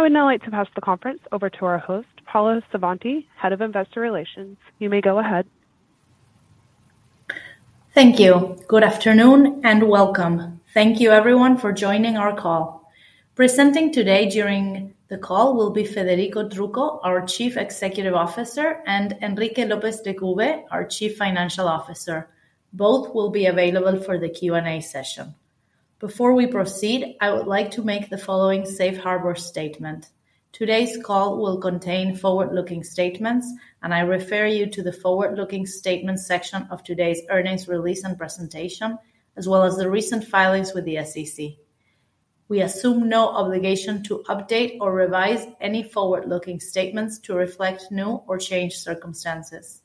I would now like to pass the conference over to our host, Paula Savanti, Head of Investor Relations. You may go ahead. Thank you. Good afternoon, and welcome. Thank you everyone for joining our call. Presenting today during the call will be Federico Trucco, our Chief Executive Officer, and Enrique López Lecube, our Chief Financial Officer. Both will be available for the Q&A session. Before we proceed, I would like to make the following safe harbor statement. Today's call will contain forward-looking statements, and I refer you to the forward-looking statement section of today's earnings release and presentation, as well as the recent filings with the SEC. We assume no obligation to update or revise any forward-looking statements to reflect new or changed circumstances.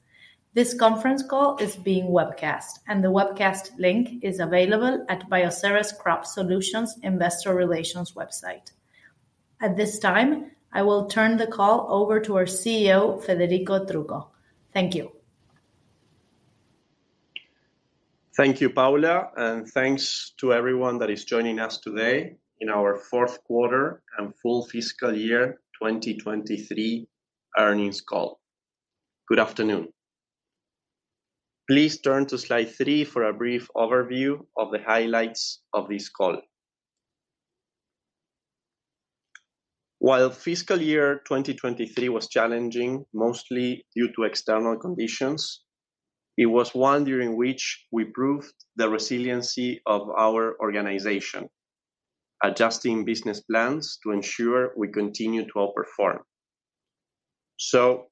This conference call is being webcast, and the webcast link is available at Bioceres Crop Solutions Investor Relations website. At this time, I will turn the call over to our CEO, Federico Trucco. Thank you. Thank you, Paula, and thanks to everyone that is joining us today in our fourth quarter and full fiscal year 2023 earnings call. Good afternoon. Please turn to slide three for a brief overview of the highlights of this call. While fiscal year 2023 was challenging, mostly due to external conditions, it was one during which we proved the resiliency of our organization, adjusting business plans to ensure we continue to outperform. So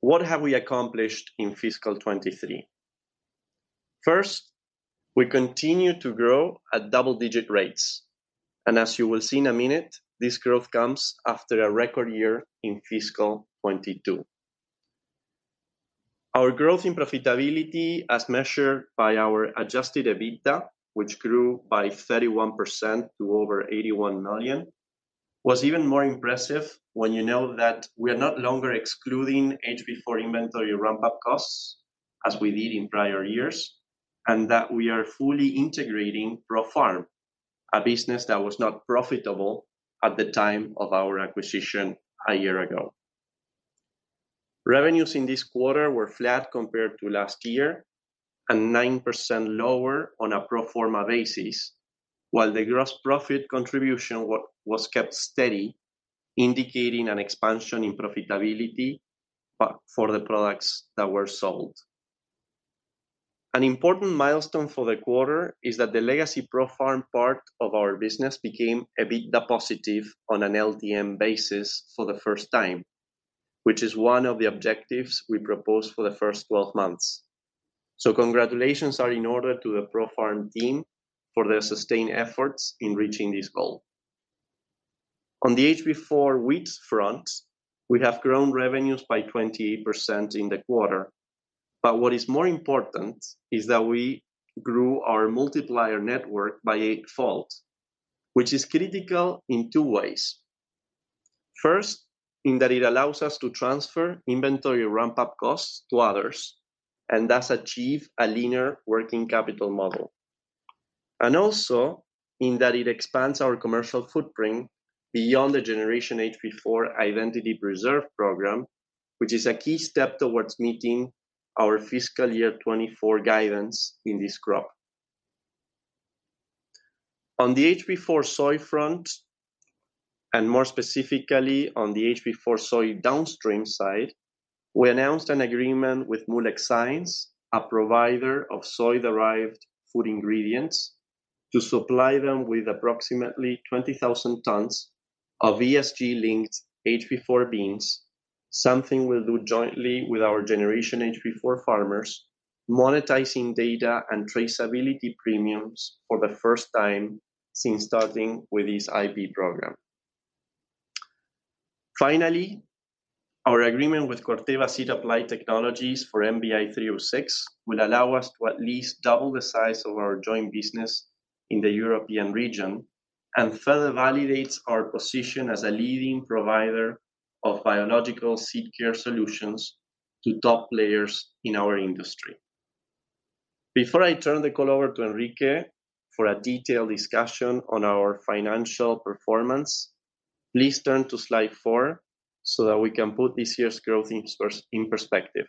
what have we accomplished in fiscal 2023? First, we continued to grow at double-digit rates, and as you will see in a minute, this growth comes after a record year in fiscal 2022. Our growth in profitability, as measured by our Adjusted EBITDA, which grew by 31% to over $81 million, was even more impressive when you know that we are no longer excluding HB4 inventory ramp-up costs as we did in prior years, and that we are fully integrating ProFarm, a business that was not profitable at the time of our acquisition a year ago. Revenues in this quarter were flat compared to last year and 9% lower on a pro forma basis, while the gross profit contribution was kept steady, indicating an expansion in profitability, but for the products that were sold. An important milestone for the quarter is that the legacy ProFarm part of our business became EBITDA positive on an LTM basis for the first time, which is one of the objectives we proposed for the first 12 months. Congratulations are in order to the ProFarm team for their sustained efforts in reaching this goal. On the HB4 wheat front, we have grown revenues by 28% in the quarter. But what is more important is that we grew our multiplier network by eightfold, which is critical in two ways. First, in that it allows us to transfer inventory ramp-up costs to others, and thus achieve a leaner working capital model. And also in that it expands our commercial footprint beyond the Generation HB4 Identity Preserve program, which is a key step towards meeting our fiscal year 2024 guidance in this crop. On the HB4 soy front, and more specifically on the HB4 soy downstream side, we announced an agreement with Moolec Science, a provider of soy-derived food ingredients, to supply them with approximately 20,000 tons of ESG-linked HB4 beans, something we'll do jointly with our Generation HB4 farmers, monetizing data and traceability premiums for the first time since starting with this IP program. Finally, our agreement with Corteva Seed Applied Technologies for MBI-306 will allow us to at least double the size of our joint business in the European region and further validates our position as a leading provider of biological seed care solutions to top players in our industry. Before I turn the call over to Enrique for a detailed discussion on our financial performance, please turn to slide four so that we can put this year's growth in perspective.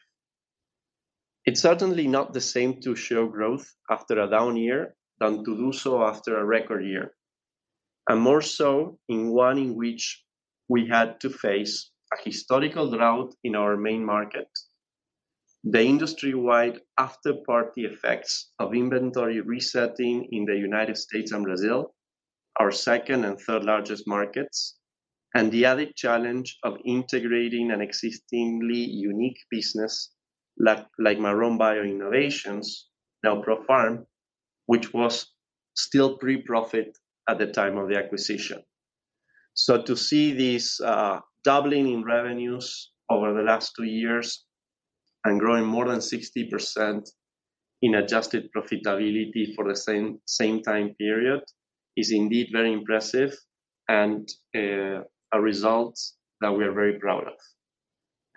It's certainly not the same to show growth after a down year than to do so after a record year, and more so in one in which we had to face a historical drought in our main market, the industry-wide afterparty effects of inventory resetting in the United States and Brazil, our second and third largest markets, and the added challenge of integrating an exceedingly unique business, like, like Marrone Bio Innovations, now ProFarm, which was still pre-profit at the time of the acquisition. So to see this, doubling in revenues over the last two years and growing more than 60% in adjusted profitability for the same, same time period is indeed very impressive and, a result that we are very proud of.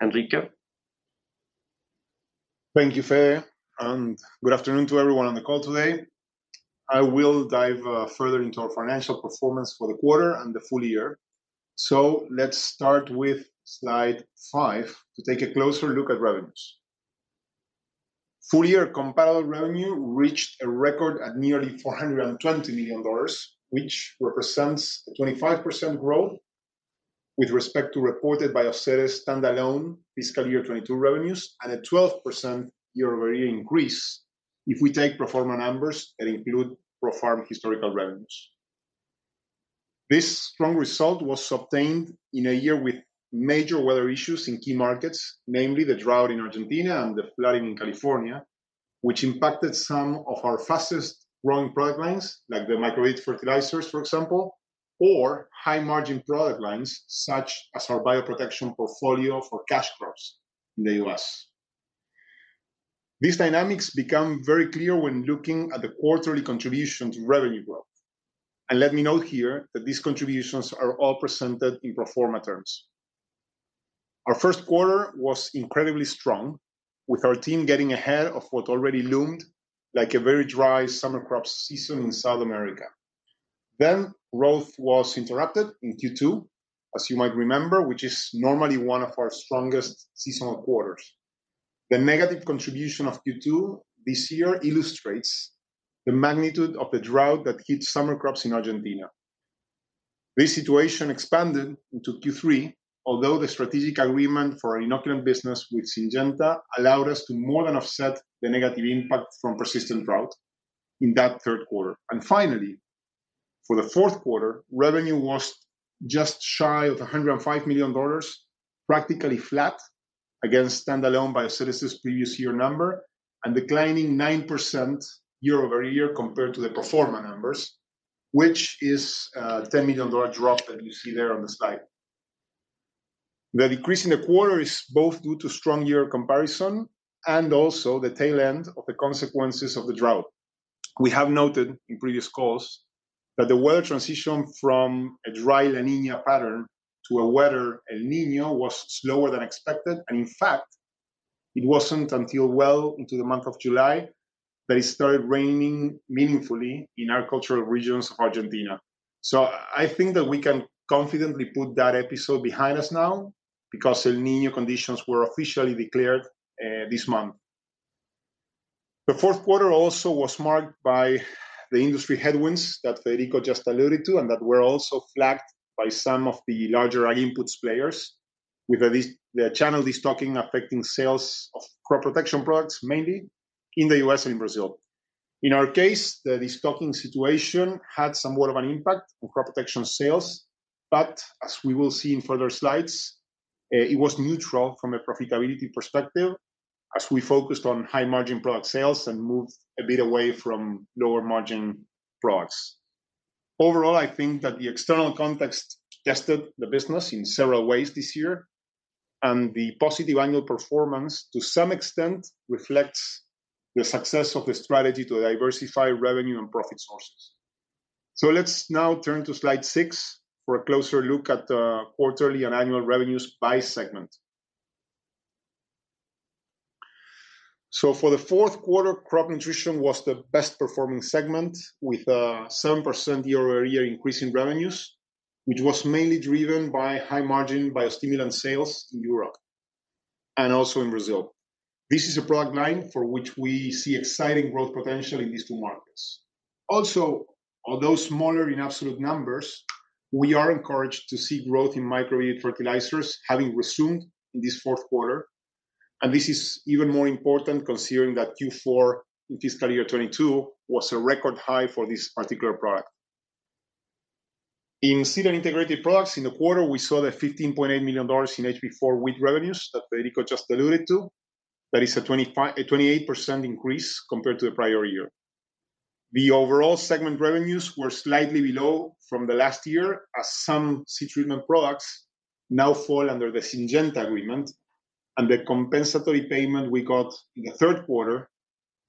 Enrique? Thank you, Fede, and good afternoon to everyone on the call today. I will dive further into our financial performance for the quarter and the full year. Let's start with slide five to take a closer look at revenues. Full year compiled revenue reached a record at nearly $420 million, which represents a 25% growth with respect to reported by Bioceres standalone fiscal year 2022 revenues, and a 12% year-over-year increase if we take pro forma numbers that include pro forma historical revenues. This strong result was obtained in a year with major weather issues in key markets, namely the drought in Argentina and the flooding in California, which impacted some of our fastest-growing product lines, like the micro-beaded fertilizers, for example, or high-margin product lines, such as our bioprotection portfolio for cash crops in the U.S. These dynamics become very clear when looking at the quarterly contribution to revenue growth. Let me note here that these contributions are all presented in pro forma terms. Our first quarter was incredibly strong, with our team getting ahead of what already loomed like a very dry summer crop season in South America. Growth was interrupted in Q2, as you might remember, which is normally one of our strongest seasonal quarters. The negative contribution of Q2 this year illustrates the magnitude of the drought that hit summer crops in Argentina. This situation expanded into Q3, although the strategic agreement for our inoculant business with Syngenta allowed us to more than offset the negative impact from persistent drought in that third quarter. And finally, for the fourth quarter, revenue was just shy of $105 million, practically flat against standalone Bioceres' previous year number, and declining 9% year-over-year compared to the pro forma numbers, which is a $10 million drop that you see there on the slide. The decrease in the quarter is both due to strong year comparison and also the tail end of the consequences of the drought. We have noted in previous calls that the weather transition from a dry La Niña pattern to a wetter El Niño was slower than expected, and in fact, it wasn't until well into the month of July that it started raining meaningfully in our agricultural regions of Argentina. So I think that we can confidently put that episode behind us now, because El Niño conditions were officially declared this month. The fourth quarter also was marked by the industry headwinds that Federico just alluded to, and that were also flagged by some of the larger ag inputs players, with at least their channel destocking affecting sales of crop protection products, mainly in the U.S. and Brazil. In our case, the destocking situation had somewhat of an impact on crop protection sales, but as we will see in further slides, it was neutral from a profitability perspective, as we focused on high-margin product sales and moved a bit away from lower-margin products. Overall, I think that the external context tested the business in several ways this year, and the positive annual performance, to some extent, reflects the success of the strategy to diversify revenue and profit sources. Let's now turn to slide six for a closer look at the quarterly and annual revenues by segment. So for the fourth quarter, crop nutrition was the best performing segment, with a 7% year-over-year increase in revenues, which was mainly driven by high-margin biostimulant sales in Europe and also in Brazil. This is a product line for which we see exciting growth potential in these two markets. Also, although smaller in absolute numbers, we are encouraged to see growth in micro-bead fertilizers having resumed in this fourth quarter, and this is even more important considering that Q4 in fiscal year 2022 was a record high for this particular product. In seed and integrated products, in the quarter, we saw that $15.8 million in HB4 wheat revenues that Federico just alluded to. That is a 28% increase compared to the prior year. The overall segment revenues were slightly below from the last year, as some seed treatment products now fall under the Syngenta agreement, and the compensatory payment we got in the third quarter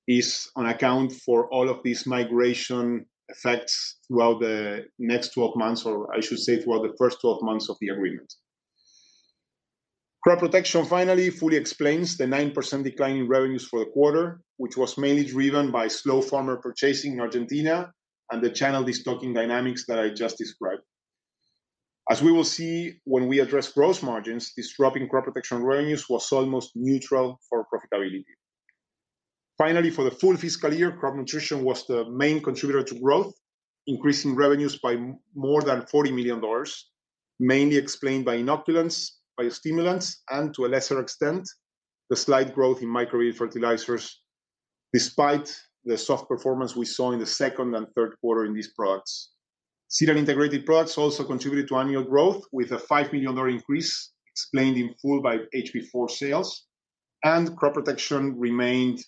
is on account for all of these migration effects throughout the next 12 months, or I should say, throughout the first 12 months of the agreement. Crop protection finally fully explains the 9% decline in revenues for the quarter, which was mainly driven by slow farmer purchasing in Argentina and the channel destocking dynamics that I just described. As we will see when we address gross margins, this drop in crop protection revenues was almost neutral for profitability. Finally, for the full fiscal year, crop nutrition was the main contributor to growth, increasing revenues by more than $40 million, mainly explained by inoculants, biostimulants, and to a lesser extent, the slight growth in micro-beaded fertilizers, despite the soft performance we saw in the second and third quarter in these products. Seed and integrated products also contributed to annual growth, with a $5 million increase explained in full by HB4 sales, and crop protection remained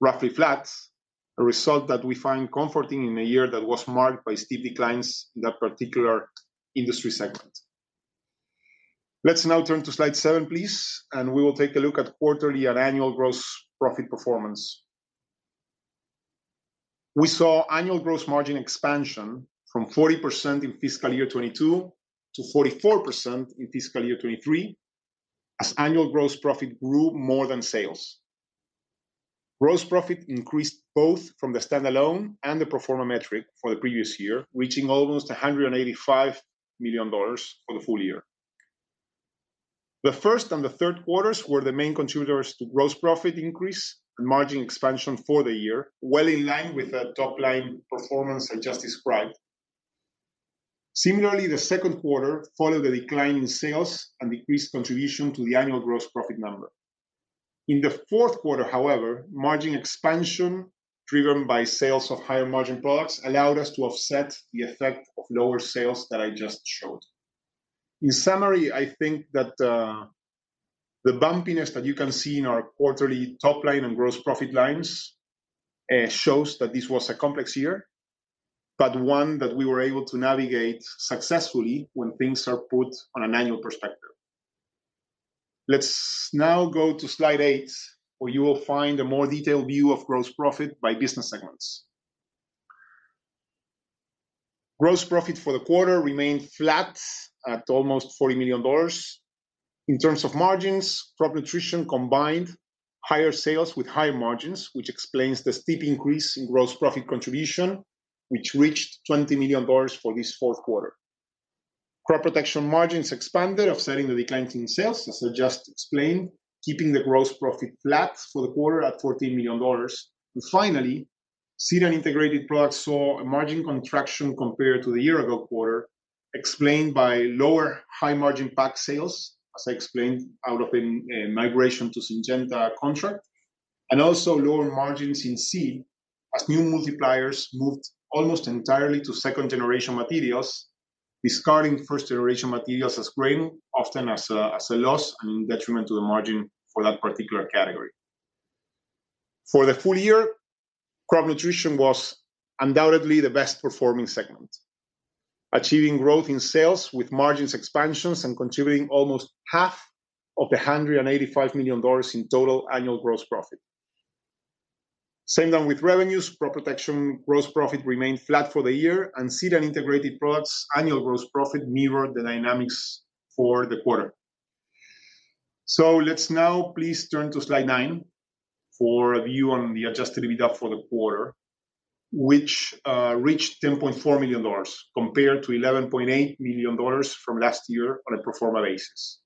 roughly flat, a result that we find comforting in a year that was marked by steep declines in that particular industry segment. Let's now turn to slide seven, please, and we will take a look at quarterly and annual gross profit performance.... We saw annual gross margin expansion from 40% in fiscal year 2022 to 44% in fiscal year 2023, as annual gross profit grew more than sales. Gross profit increased both from the standalone and the pro forma metric for the previous year, reaching almost $185 million for the full year. The first and third quarters were the main contributors to gross profit increase and margin expansion for the year, well in line with the top-line performance I just described. Similarly, the second quarter followed a decline in sales and decreased contribution to the annual gross profit number. In the fourth quarter, however, margin expansion, driven by sales of higher margin products, allowed us to offset the effect of lower sales that I just showed. In summary, I think that the bumpiness that you can see in our quarterly top line and gross profit lines shows that this was a complex year, but one that we were able to navigate successfully when things are put on an annual perspective. Let's now go to slide eight, where you will find a more detailed view of gross profit by business segments. Gross profit for the quarter remained flat at almost $40 million. In terms of margins, crop nutrition combined higher sales with high margins, which explains the steep increase in gross profit contribution, which reached $20 million for this fourth quarter. Crop protection margins expanded, offsetting the decline in sales, as I just explained, keeping the gross profit flat for the quarter at $14 million. And finally, seed and integrated products saw a margin contraction compared to the year ago quarter, explained by lower high-margin pack sales, as I explained, out of a migration to Syngenta contract, and also lower margins in seed, as new multipliers moved almost entirely to second-generation materials, discarding first-generation materials as grain, often as a loss and detriment to the margin for that particular category. For the full year, crop nutrition was undoubtedly the best performing segment, achieving growth in sales with margins expansions and contributing almost half of the $185 million in total annual gross profit. Same thing with revenues, crop protection gross profit remained flat for the year, and seed and integrated products annual gross profit mirrored the dynamics for the quarter. So let's now please turn to slide nine for a view on the adjusted EBITDA for the quarter, which reached $10.4 million, compared to 11.8 million from last year on a pro forma basis.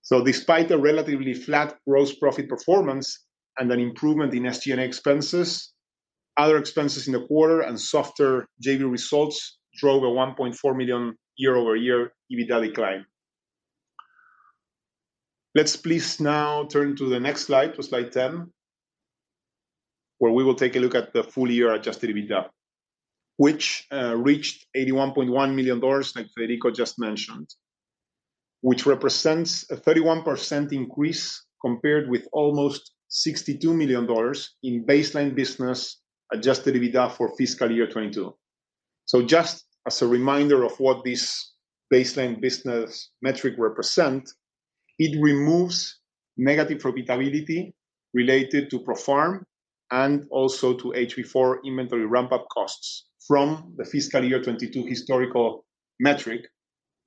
So despite a relatively flat gross profit performance and an improvement in SG&A expenses, other expenses in the quarter and softer JV results drove a $1.4 million year-over-year EBITDA decline. Let's please now turn to the next slide, to slide 10, where we will take a look at the full year adjusted EBITDA, which reached $81.1 million, like Federico just mentioned, which represents a 31% increase compared with almost $62 million in baseline business adjusted EBITDA for fiscal year 2022. So just as a reminder of what this baseline business metric represent, it removes negative profitability related to ProFarm and also to HB4 inventory ramp-up costs from the fiscal year 2022 historical metric,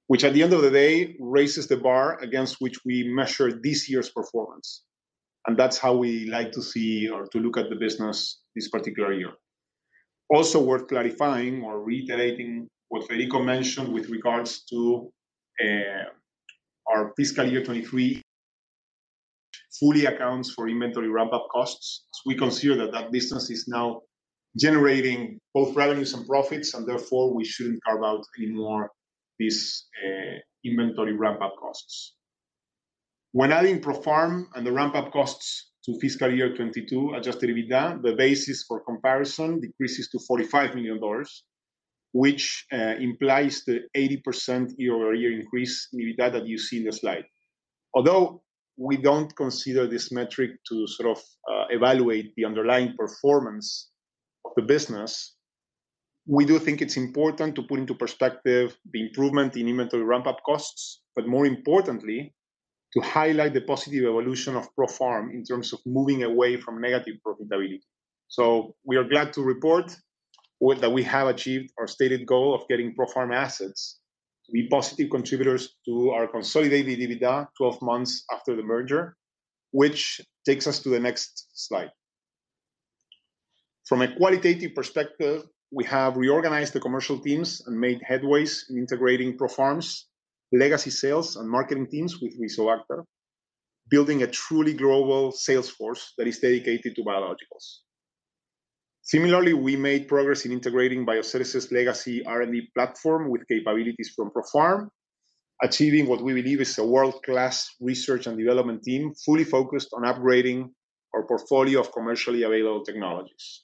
which at the end of the day, raises the bar against which we measure this year's performance. And that's how we like to see or to look at the business this particular year. Also, worth clarifying or reiterating what Federico mentioned with regards to our fiscal year 2023 fully accounts for inventory ramp-up costs, as we consider that that business is now generating both revenues and profits, and therefore, we shouldn't carve out any more this inventory ramp-up costs. When adding ProFarm and the ramp-up costs to fiscal year 2022 adjusted EBITDA, the basis for comparison decreases to $45 million, which implies the 80% year-over-year increase in EBITDA that you see in the slide. Although we don't consider this metric to sort of evaluate the underlying performance of the business, we do think it's important to put into perspective the improvement in inventory ramp-up costs, but more importantly, to highlight the positive evolution of ProFarm in terms of moving away from negative profitability. So we are glad to report that we have achieved our stated goal of getting ProFarm assets to be positive contributors to our consolidated EBITDA 12 months after the merger, which takes us to the next slide. From a qualitative perspective, we have reorganized the commercial teams and made headways in integrating ProFarm's legacy sales and marketing teams with Nufarm, building a truly global sales force that is dedicated to biologicals. Similarly, we made progress in integrating Bioceres' legacy R&D platform with capabilities from ProFarm, achieving what we believe is a world-class research and development team, fully focused on upgrading our portfolio of commercially available technologies.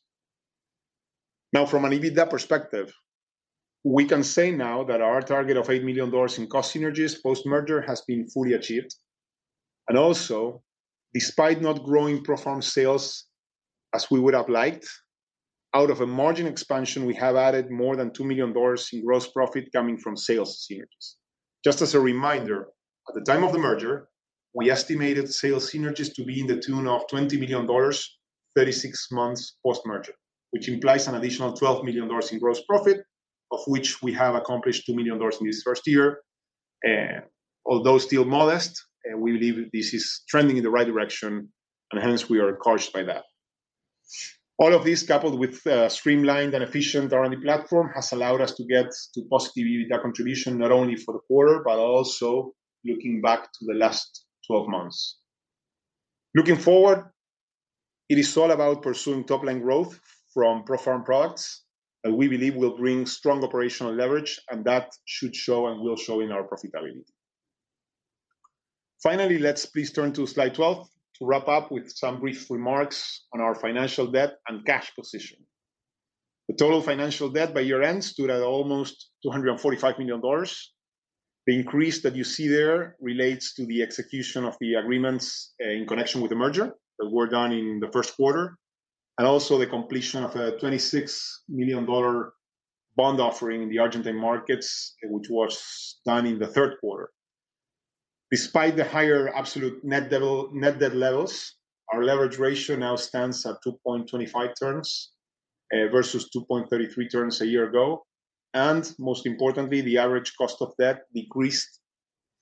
Now, from an EBITDA perspective, we can say now that our target of $8 million in cost synergies post-merger has been fully achieved. And also, despite not growing ProFarm sales as we would have liked, out of a margin expansion, we have added more than $2 million in gross profit coming from sales synergies. Just as a reminder, at the time of the merger-... We estimated sales synergies to be in the tune of $20 million, 36 months post-merger, which implies an additional $12 million in gross profit, of which we have accomplished $2 million in this first year. Although still modest, we believe this is trending in the right direction, and hence we are encouraged by that. All of this, coupled with a streamlined and efficient R&D platform, has allowed us to get to positivity, EBITDA contribution, not only for the quarter, but also looking back to the last 12 months. Looking forward, it is all about pursuing top-line growth from ProFarm products, that we believe will bring strong operational leverage, and that should show and will show in our profitability. Finally, let's please turn to slide 12 to wrap up with some brief remarks on our financial debt and cash position. The total financial debt by year-end stood at almost $245 million. The increase that you see there relates to the execution of the agreements in connection with the merger that were done in the first quarter, and also the completion of a $26 million bond offering in the Argentine markets, which was done in the third quarter. Despite the higher absolute net debt levels, our leverage ratio now stands at 2.25 turns versus 2.33 turns a year ago. And most importantly, the average cost of debt decreased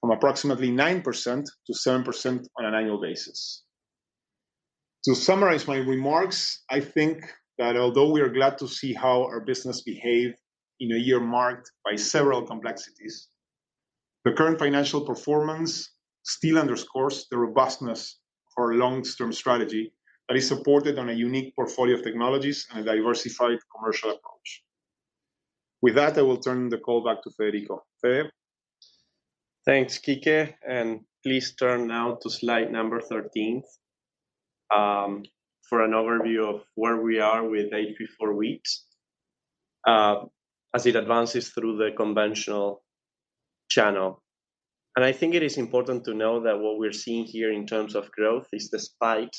from approximately 9% to 7% on an annual basis. To summarize my remarks, I think that although we are glad to see how our business behaved in a year marked by several complexities, the current financial performance still underscores the robustness of our long-term strategy that is supported on a unique portfolio of technologies and a diversified commercial approach. With that, I will turn the call back to Federico. Fede? Thanks, Quique, and please turn now to slide number 13th, for an overview of where we are with HB4 wheat, as it advances through the conventional channel. I think it is important to know that what we're seeing here in terms of growth is despite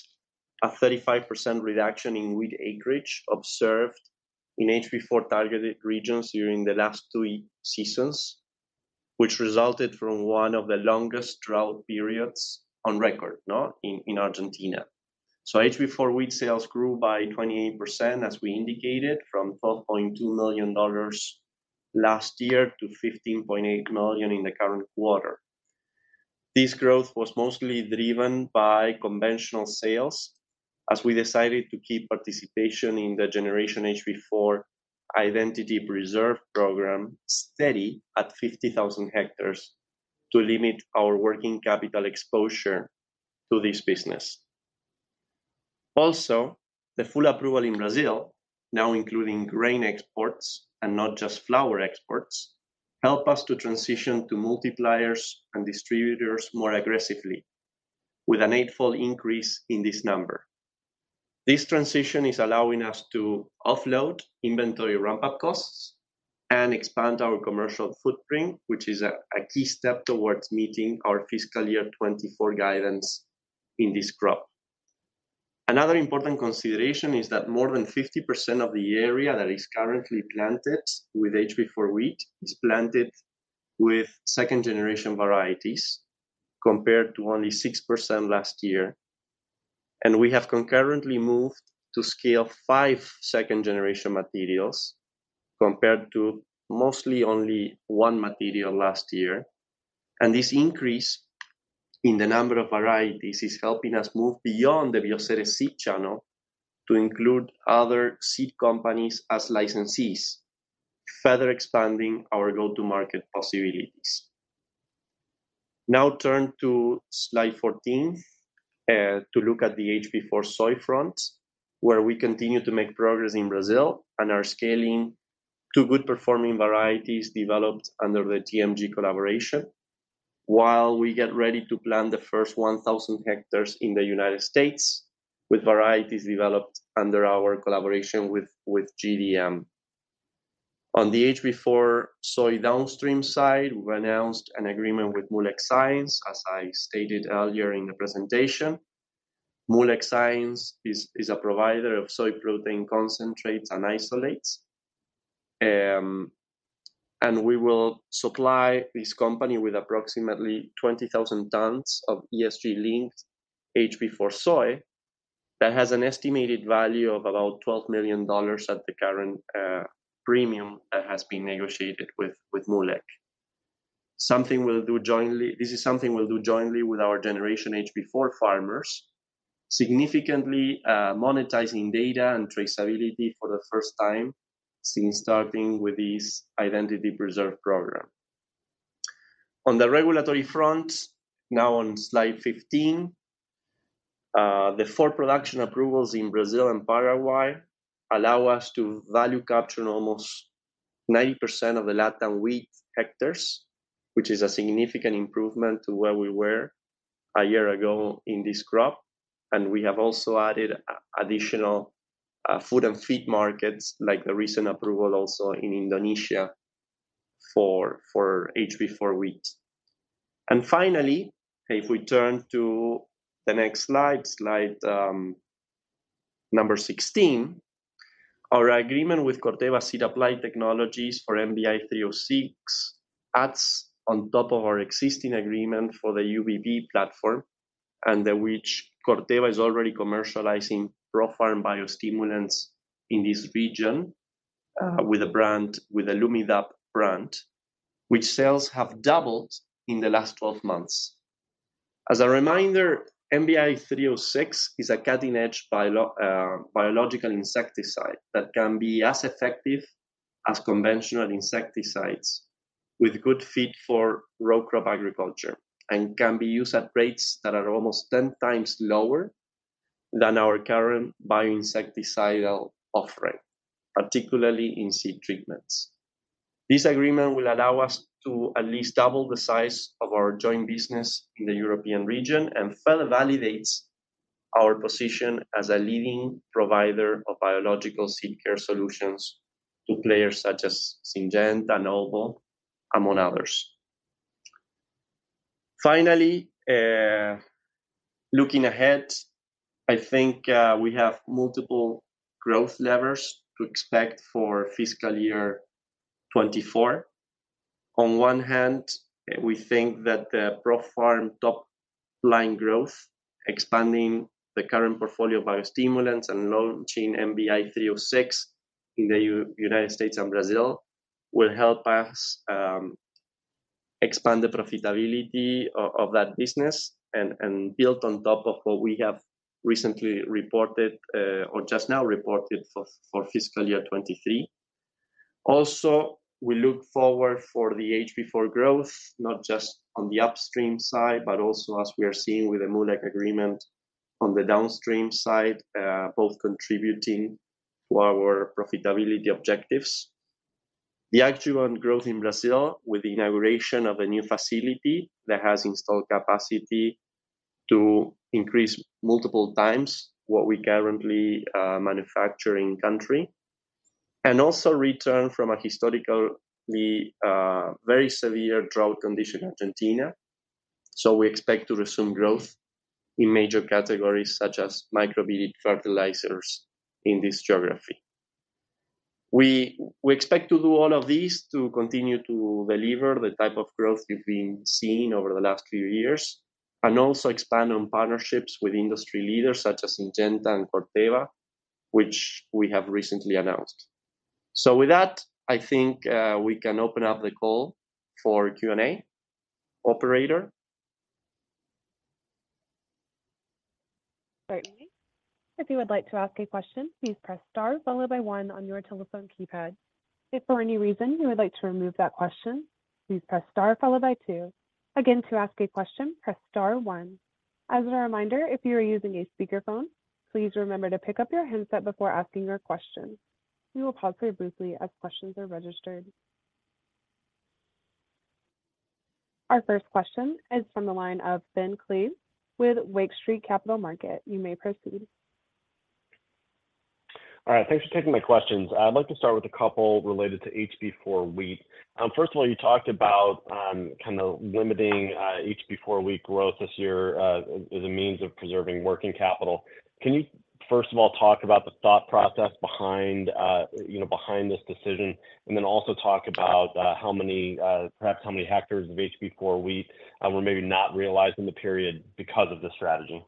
a 35% reduction in wheat acreage observed in HB4 targeted regions during the last two seasons, which resulted from one of the longest drought periods on record. In Argentina. So HB4 wheat sales grew by 28%, as we indicated, from $12.2 million last year to 15.8 million in the current quarter. This growth was mostly driven by conventional sales, as we decided to keep participation in the Generation HB4 Identity Preserve program steady at 50,000 hectares to limit our working capital exposure to this business. Also, the full approval in Brazil, now including grain exports and not just flour exports, help us to transition to multipliers and distributors more aggressively, with an eightfold increase in this number. This transition is allowing us to offload inventory ramp-up costs and expand our commercial footprint, which is a key step towards meeting our fiscal year 2024 guidance in this crop. Another important consideration is that more than 50% of the area that is currently planted with HB4 wheat is planted with second-generation varieties, compared to only 6% last year. We have concurrently moved to scale five second-generation materials, compared to mostly only one material last year. This increase in the number of varieties is helping us move beyond the Bioceres seed channel to include other seed companies as licensees, further expanding our go-to-market possibilities. Now turn to slide fourteenth to look at the HB4 soy front, where we continue to make progress in Brazil and are scaling two good-performing varieties developed under the TMG collaboration. While we get ready to plant the first 1,000 hectares in the United States with varieties developed under our collaboration with, with GDM. On the HB4 soy downstream side, we announced an agreement with Moolec Science, as I stated earlier in the presentation. Moolec Science is, is a provider of soy protein concentrates and isolates. And we will supply this company with approximately 20,000 tons of ESG-linked HB4 soy that has an estimated value of about $12 million at the current premium that has been negotiated with, with Moolec. Something we'll do jointly—this is something we'll do jointly with our Generation HB4 farmers, significantly monetizing data and traceability for the first time since starting with this identity preserve program. On the regulatory front, now on slide 15, the 4 production approvals in Brazil and Paraguay allow us to value capture in almost 90% of the LatAm wheat hectares, which is a significant improvement to where we were a year ago in this crop. And we have also added additional food and feed markets, like the recent approval also in Indonesia for HB4 wheat. And finally, if we turn to the next slide, slide 15... Number 16, our agreement with Corteva Seed Applied Technologies for MBI-306 adds on top of our existing agreement for the UBP platform, and which Corteva is already commercializing ProFarm biostimulants in this region, with a brand, with a Lumidapt brand, which sales have doubled in the last 12 months. As a reminder, MBI-306 is a cutting-edge biological insecticide that can be as effective as conventional insecticides, with good fit for row crop agriculture, and can be used at rates that are almost 10 times lower than our current bioinsecticidal offering, particularly in seed treatments. This agreement will allow us to at least double the size of our joint business in the European region, and further validates our position as a leading provider of biological seed care solutions to players such as Syngenta, Albaugh, among others. Finally, looking ahead, I think, we have multiple growth levers to expect for fiscal year 2024. On one hand, we think that the ProFarm top line growth, expanding the current portfolio of biostimulants and launching MBI-306 in the United States and Brazil, will help us, expand the profitability of that business and, and build on top of what we have recently reported, or just now reported for, for fiscal year 2023. Also, we look forward for the HB4 growth, not just on the upstream side, but also as we are seeing with the Moolec agreement on the downstream side, both contributing to our profitability objectives. The actual growth in Brazil, with the inauguration of a new facility that has installed capacity to increase multiple times what we currently manufacture in country, and also return from a historically very severe drought condition in Argentina. So we expect to resume growth in major categories such as microbial fertilizers in this geography. We expect to do all of these to continue to deliver the type of growth we've been seeing over the last few years, and also expand on partnerships with industry leaders such as Syngenta and Corteva, which we have recently announced. So with that, I think we can open up the call for Q&A. Operator? Certainly. If you would like to ask a question, please press star followed by one on your telephone keypad. If for any reason you would like to remove that question, please press star followed by two. Again, to ask a question, press star one. As a reminder, if you are using a speakerphone, please remember to pick up your handset before asking your question. We will pause very briefly as questions are registered. Our first question is from the line of Ben Klieve with Lake Street Capital Market. You may proceed. All right, thanks for taking my questions. I'd like to start with a couple related to HB4 wheat. First of all, you talked about kind of limiting HB4 wheat growth this year as a means of preserving working capital. Can you first of all talk about the thought process behind you know behind this decision, and then also talk about how many perhaps how many hectares of HB4 wheat were maybe not realized in the period because of this strategy?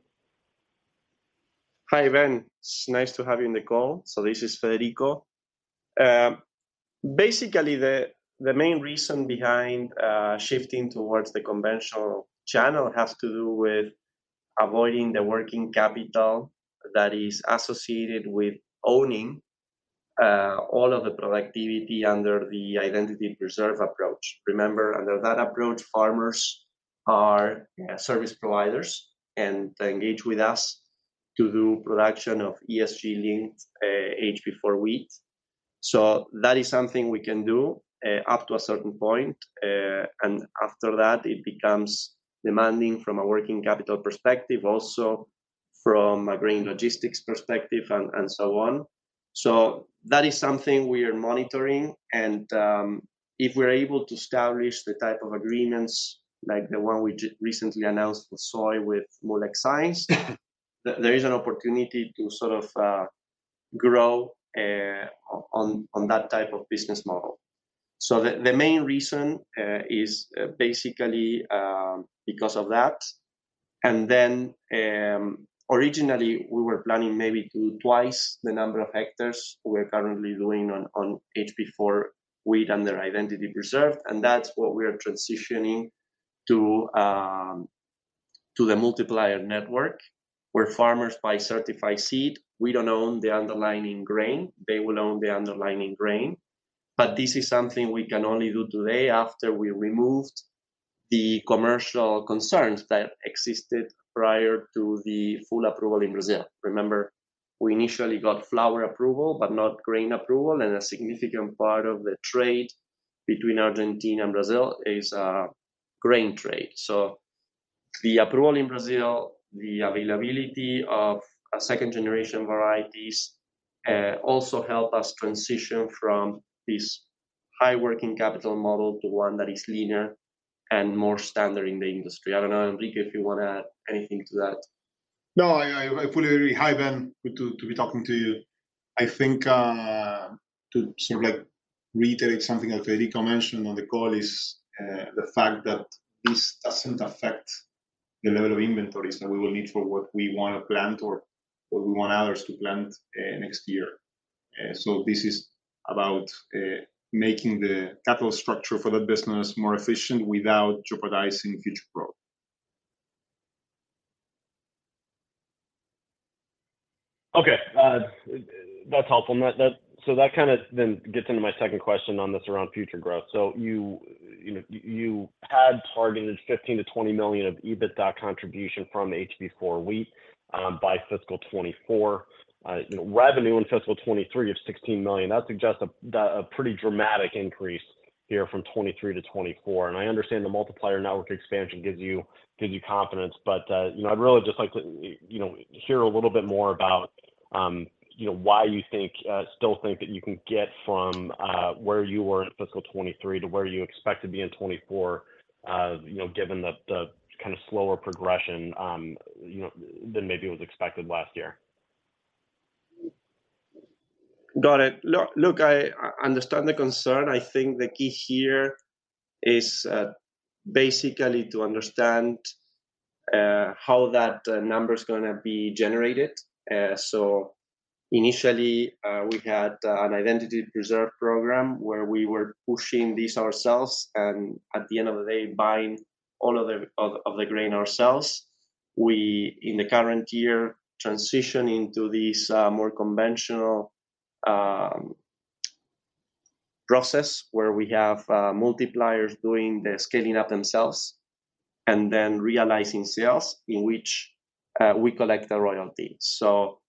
Hi, Ben. It's nice to have you on the call. So this is Federico. Basically, the main reason behind shifting towards the conventional channel has to do with avoiding the working capital that is associated with owning all of the productivity under the identity preserve approach. Remember, under that approach, farmers are service providers and engage with us to do production of ESG-linked HB4 wheat. So that is something we can do up to a certain point, and after that, it becomes demanding from a working capital perspective, also from a grain logistics perspective and so on. So that is something we are monitoring and, if we're able to establish the type of agreements like the one we recently announced with soy, with Moolec Science, there is an opportunity to sort of grow on that type of business model. So the main reason is basically because of that. And then, originally, we were planning maybe to do twice the number of hectares we're currently doing on HB4 wheat under Identity Preserve, and that's what we are transitioning to, to the Multiplier Network, where farmers buy certified seed. We don't own the underlying grain. They will own the underlying grain. But this is something we can only do today after we removed the commercial concerns that existed prior to the full approval in Brazil. Remember, we initially got flour approval, but not grain approval, and a significant part of the trade between Argentina and Brazil is grain trade. So the approval in Brazil, the availability of a second generation varieties, also help us transition from this high working capital model to one that is linear and more standard in the industry. I don't know, Enrique, if you wanna add anything to that? No, I fully agree. Hi, Ben, good to be talking to you. I think, to sort of like reiterate something that Federico mentioned on the call is, the fact that this doesn't affect the level of inventories that we will need for what we wanna plant or what we want others to plant, next year. So this is about, making the capital structure for the business more efficient without jeopardizing future growth. Okay. That's helpful. And that kind of then gets into my second question on this around future growth. So you, you know, you had targeted $15-20 million of EBITDA contribution from the HB4 wheat, by fiscal 2024. You know, revenue in fiscal 2023 of $16 million, that suggests a pretty dramatic increase here from 2023 to 2024. And I understand the multiplier network expansion gives you, gives you confidence, but, you know, I'd really just like to, you know, hear a little bit more about, you know, why you think, still think that you can get from, where you were in fiscal 2023 to where you expect to be in 2024, you know, given the, the kind of slower progression, you know, than maybe was expected last year? Got it. Look, look, I understand the concern. I think the key here is, basically to understand, how that, number's gonna be generated. So initially, we had, an identity preserve program where we were pushing these ourselves, and at the end of the day, buying all of the, all of the grain ourselves. We, in the current year, transition into this, more conventional, process, where we have, multipliers doing the scaling up themselves, and then realizing sales in which, we collect a royalty. So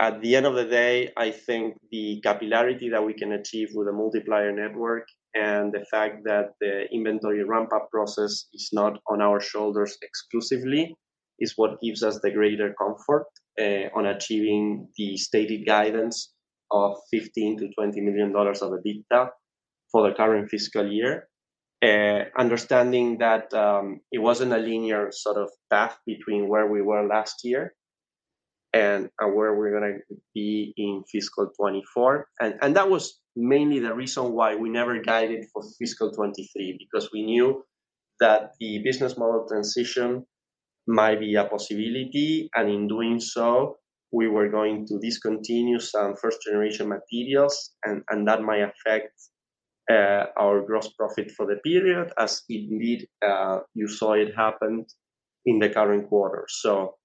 at the end of the day, I think the capillarity that we can achieve with a Multiplier Network, and the fact that the inventory ramp-up process is not on our shoulders exclusively, is what gives us the greater comfort on achieving the stated guidance of $15 million-20 million of EBITDA for the current fiscal year. Understanding that it wasn't a linear sort of path between where we were last year and where we're gonna be in fiscal 2024. And that was mainly the reason why we never guided for fiscal 2023, because we knew that the business model transition might be a possibility, and in doing so, we were going to discontinue some first-generation materials, and that might affect our gross profit for the period, as indeed you saw it happened in the current quarter. So,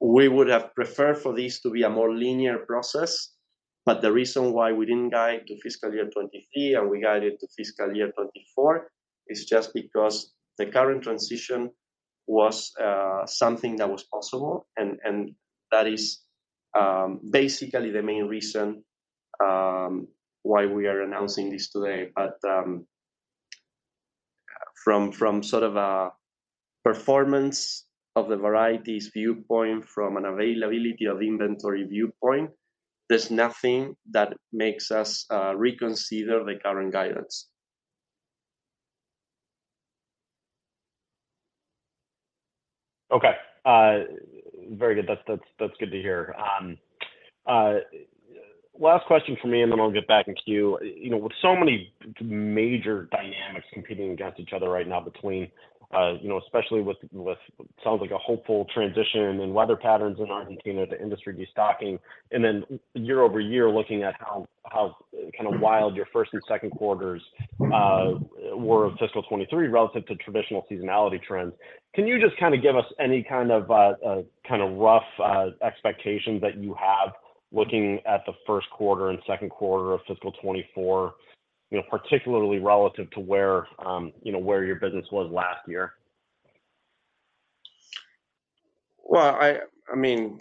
we would have preferred for this to be a more linear process, but the reason why we didn't guide to fiscal year 2023, and we guided to fiscal year 2024, is just because the current transition was something that was possible. And that is basically the main reason why we are announcing this today. But from sort of a performance of the varieties viewpoint, from an availability of inventory viewpoint, there's nothing that makes us reconsider the current guidance. Okay. Very good. That's good to hear. Last question from me, and then I'll get back in queue. You know, with so many major dynamics competing against each other right now between, you know, especially with what sounds like a hopeful transition in weather patterns in Argentina, the industry destocking, and then year-over-year, looking at how kind of wild your first and second quarters were of fiscal 2023 relative to traditional seasonality trends. Can you just kind of give us any kind of kind of rough expectations that you have looking at the first quarter and second quarter of fiscal 2024, you know, particularly relative to where, you know, where your business was last year? Well, I mean,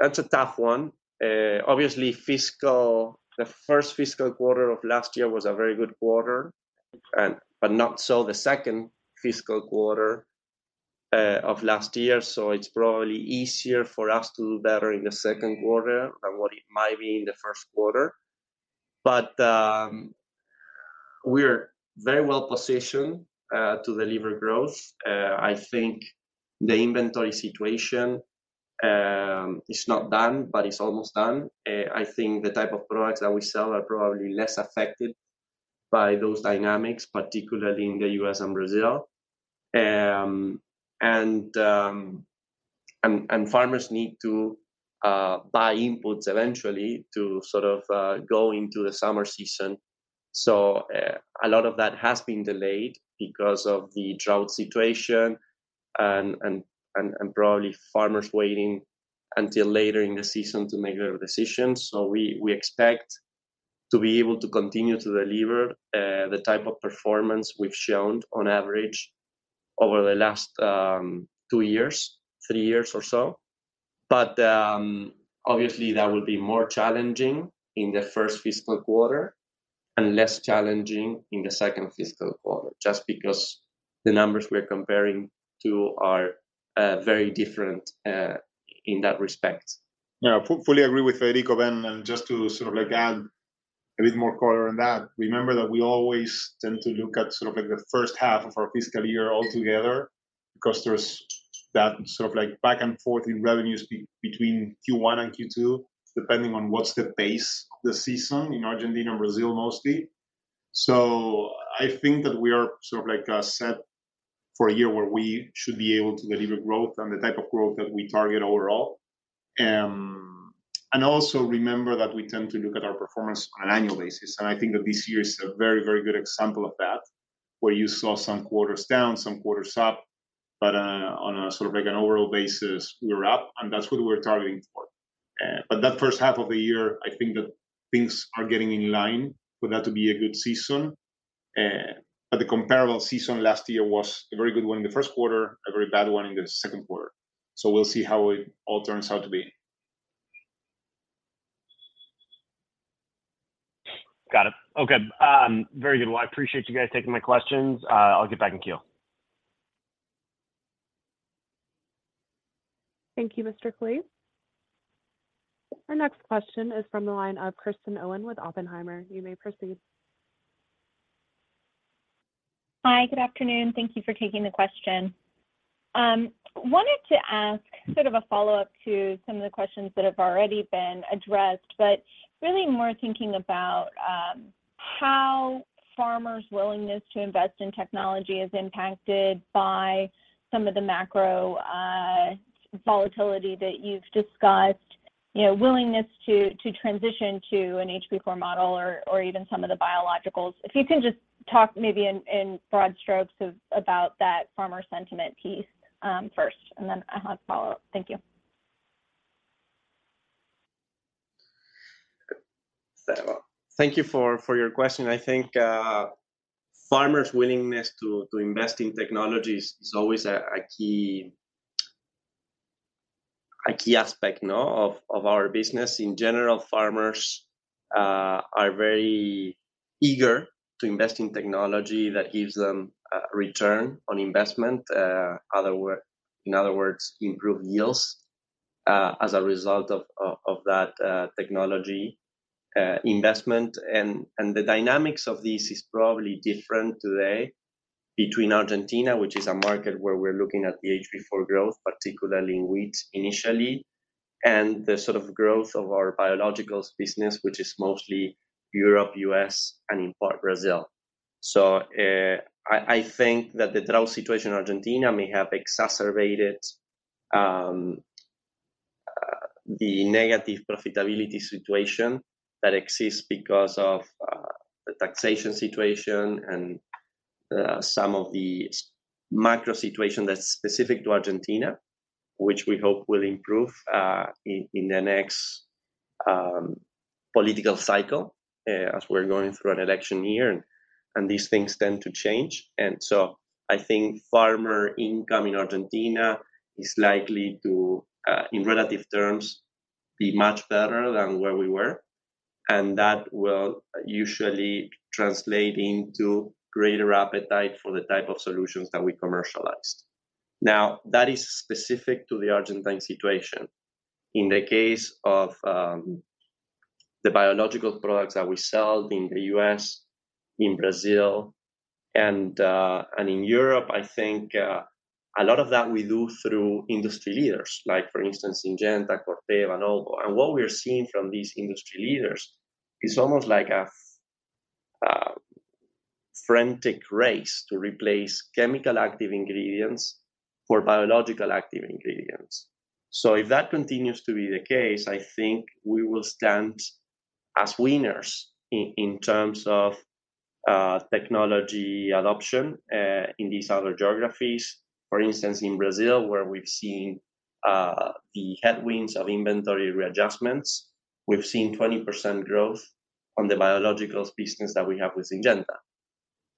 that's a tough one. Obviously, fiscal—the first fiscal quarter of last year was a very good quarter, and but not so the second fiscal quarter of last year. So it's probably easier for us to do better in the second quarter than what it might be in the first quarter. But, we're very well positioned to deliver growth. I think the inventory situation is not done, but it's almost done. I think the type of products that we sell are probably less affected by those dynamics, particularly in the U.S. and Brazil. And farmers need to buy inputs eventually to sort of go into the summer season. So, a lot of that has been delayed because of the drought situation, and probably farmers waiting until later in the season to make their decisions. So we expect to be able to continue to deliver the type of performance we've shown on average over the last two years, three years or so. But obviously, that will be more challenging in the first fiscal quarter and less challenging in the second fiscal quarter, just because the numbers we are comparing to are very different in that respect. Yeah, I fully agree with Enrique, Ben, and just to sort of like add a bit more color on that, remember that we always tend to look at sort of like the first half of our fiscal year altogether, because there's that sort of like back and forth in revenues between Q1 and Q2, depending on what's the base, the season in Argentina and Brazil, mostly. So I think that we are sort of like set for a year where we should be able to deliver growth and the type of growth that we target overall. And also remember that we tend to look at our performance on an annual basis, and I think that this year is a very, very good example of that, where you saw some quarters down, some quarters up, but on a sort of like an overall basis, we're up, and that's what we're targeting for. But that first half of the year, I think that things are getting in line for that to be a good season. But the comparable season last year was a very good one in the first quarter, a very bad one in the second quarter. So we'll see how it all turns out to be. Got it. Okay, very good. Well, I appreciate you guys taking my questions. I'll get back in queue. Thank you, Mr. Klieve. Our next question is from the line of Kristen Owen with Oppenheimer. You may proceed. Hi, good afternoon. Thank you for taking the question. Wanted to ask sort of a follow-up to some of the questions that have already been addressed, but really more thinking about how farmers' willingness to invest in technology is impacted by some of the macro volatility that you've discussed. You know, willingness to transition to an HB4 model or even some of the biologicals. If you can just talk maybe in broad strokes about that farmer sentiment piece, first, and then I have a follow-up. Thank you. So thank you for your question. I think farmers' willingness to invest in technologies is always a key aspect of our business. In general, farmers are very eager to invest in technology that gives them a return on investment. In other words, improved yields as a result of that technology investment. And the dynamics of this is probably different today between Argentina, which is a market where we're looking at the HB4 growth, particularly in wheat initially, and the sort of growth of our biologicals business, which is mostly Europe, U.S., and in part, Brazil. So, I think that the drought situation in Argentina may have exacerbated the negative profitability situation that exists because of the taxation situation and some of the macro situation that's specific to Argentina, which we hope will improve in the next political cycle as we're going through an election year, and these things tend to change. And so I think farmer income in Argentina is likely to, in relative terms, be much better than where we were, and that will usually translate into greater appetite for the type of solutions that we commercialized. Now, that is specific to the Argentine situation. In the case of the biological products that we sell in the US, in Brazil, and in Europe, I think a lot of that we do through industry leaders, like, for instance, Syngenta, Corteva, Novo. And what we're seeing from these industry leaders is almost like a frantic race to replace chemical active ingredients for biological active ingredients. So if that continues to be the case, I think we will stand as winners in terms of technology adoption in these other geographies. For instance, in Brazil, where we've seen the headwinds of inventory readjustments, we've seen 20% growth on the biologicals business that we have with Syngenta,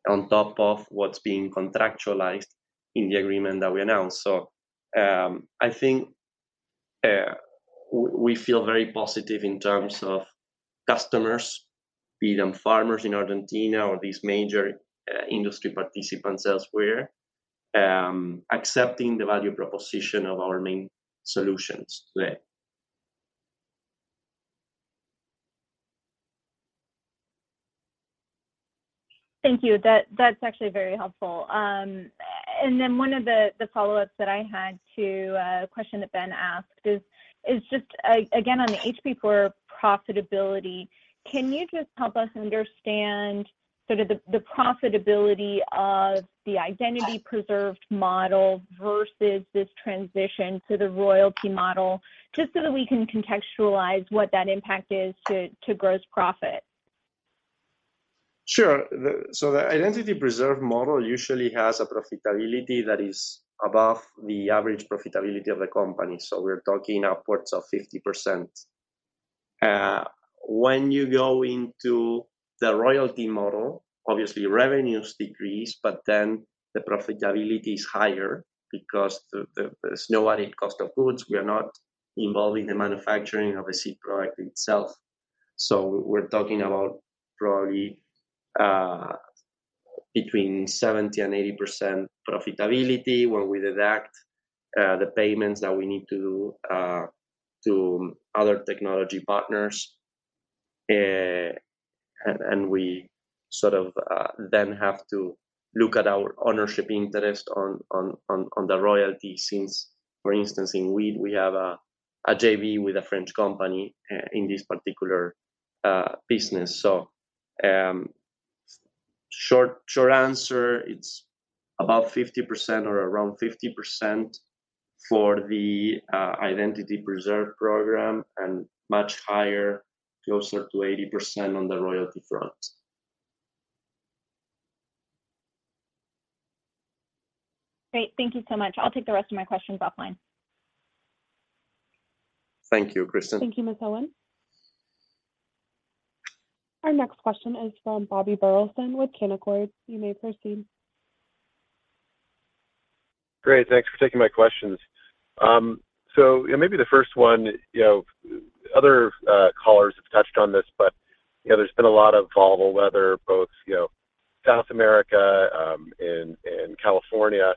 on top of what's being contractualized in the agreement that we announced. I think we feel very positive in terms of customers, be them farmers in Argentina or these major industry participants elsewhere, accepting the value proposition of our main solutions today. Thank you. That, that's actually very helpful. And then one of the follow-ups that I had to a question that Ben asked is just again on the HB4 profitability. Can you just help us understand sort of the profitability of the identity preserved model versus this transition to the royalty model, just so that we can contextualize what that impact is to gross profit? Sure. So the identity preserve model usually has a profitability that is above the average profitability of the company, so we're talking upwards of 50%. When you go into the royalty model, obviously revenues decrease, but then the profitability is higher because there's no added cost of goods. We are not involved in the manufacturing of the seed product itself, so we're talking about probably between 70% and 80% profitability when we deduct the payments that we need to other technology partners. And we sort of then have to look at our ownership interest on the royalty since, for instance, in wheat, we have a JV with a French company in this particular business. Short, short answer, it's about 50% or around 50% for the Identity Preserve program, and much higher, closer to 80% on the royalty front. Great. Thank you so much. I'll take the rest of my questions offline. Thank you, Kristen. Thank you, Ms. Owen. Our next question is from Bobby Burleson with Canaccord. You may proceed. Great, thanks for taking my questions. So yeah, maybe the first one, you know, other callers have touched on this, but, you know, there's been a lot of volatile weather, both, you know, South America, in California,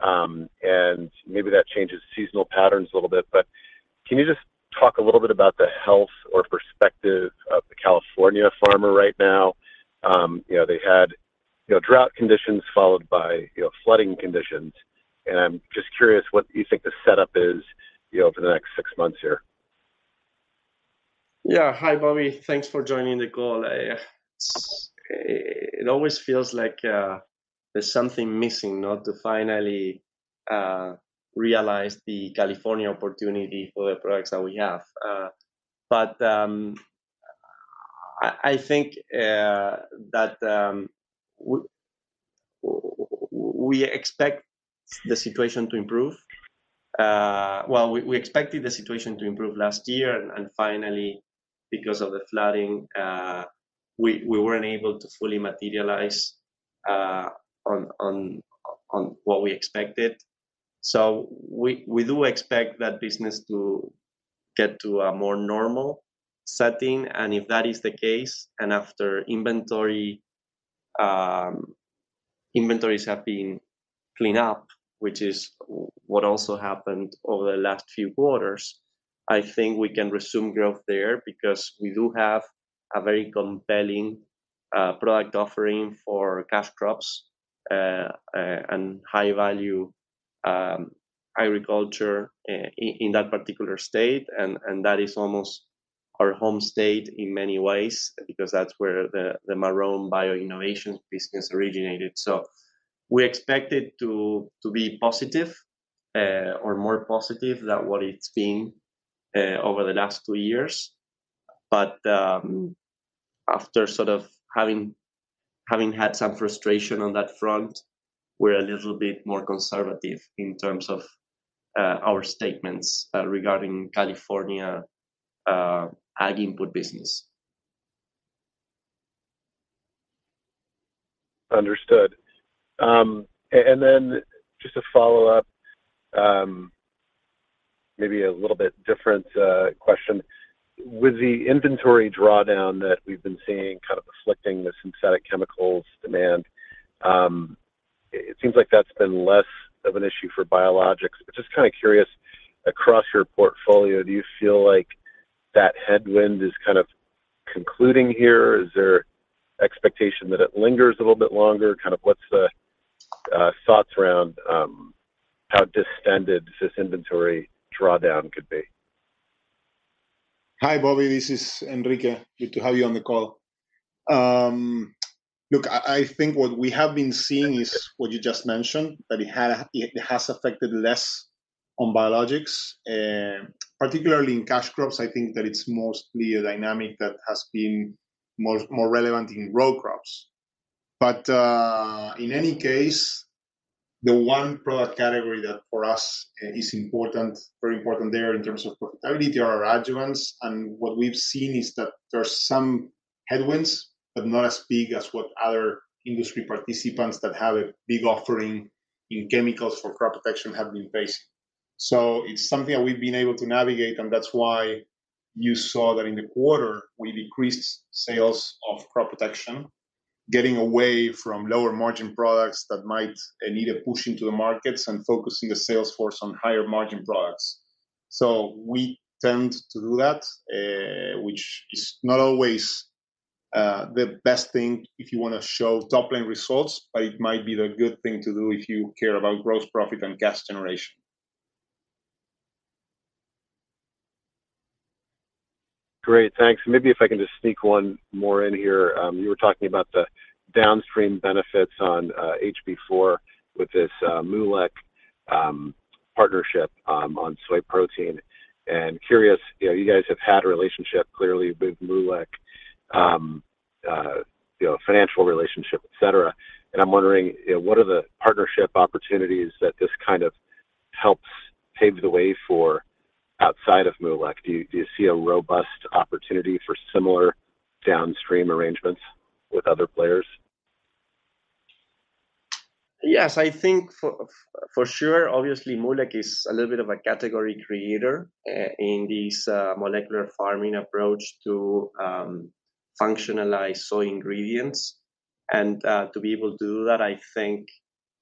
and maybe that changes seasonal patterns a little bit. But can you just talk a little bit about the health or perspective of the California farmer right now? You know, they had, you know, drought conditions followed by, you know, flooding conditions, and I'm just curious what you think the setup is, you know, for the next six months here. Yeah. Hi, Bobby. Thanks for joining the call. It always feels like there's something missing not to finally realize the California opportunity for the products that we have. But I think that we expect the situation to improve. Well, we expected the situation to improve last year, and finally, because of the flooding, we weren't able to fully materialize on what we expected. So we do expect that business to get to a more normal setting, and if that is the case, and after inventory inventories have been cleaned up, which is what also happened over the last few quarters, I think we can resume growth there. Because we do have a very compelling product offering for cash crops and high-value agriculture in that particular state, and that is almost our home state in many ways, because that's where the Marrone Bio Innovations business originated. So we expect it to be positive or more positive than what it's been over the last two years. But after sort of having had some frustration on that front, we're a little bit more conservative in terms of our statements regarding California ag input business. Understood. And then just a follow-up, maybe a little bit different question. With the inventory drawdown that we've been seeing kind of afflicting the synthetic chemicals demand, it seems like that's been less of an issue for biologics. But just kind of curious, across your portfolio, do you feel like that headwind is kind of concluding here, or is there expectation that it lingers a little bit longer? Kind of, what's the thoughts around how distended this inventory drawdown could be? Hi, Bobby. This is Enrique. Good to have you on the call. Look, I think what we have been seeing is what you just mentioned, that it has affected less on biologics, particularly in cash crops. I think that it's mostly a dynamic that has been more relevant in row crops. But in any case, the one product category that for us is important, very important there in terms of profitability, they are our adjuvants. And what we've seen is that there are some headwinds, but not as big as what other industry participants that have a big offering in chemicals for crop protection have been facing. So it's something that we've been able to navigate, and that's why you saw that in the quarter, we decreased sales of crop protection, getting away from lower-margin products that might need a push into the markets and focusing the sales force on higher-margin products. So we tend to do that, which is not always the best thing if you want to show top-line results, but it might be the good thing to do if you care about gross profit and cash generation. Great, thanks. Maybe if I can just sneak one more in here. You were talking about the downstream benefits on HB4 with this Moolec partnership on soy protein. And curious, you know, you guys have had a relationship clearly with Moolec, you know, a financial relationship, et cetera. And I'm wondering, you know, what are the partnership opportunities that this kind of helps pave the way for outside of Moolec? Do you, do you see a robust opportunity for similar downstream arrangements with other players? Yes, I think for sure, obviously, Moolec is a little bit of a category creator in this molecular farming approach to functionalize soy ingredients. And to be able to do that, I think